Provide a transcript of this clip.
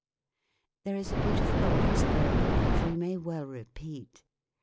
There is a beautiful old experiment which we may well repeat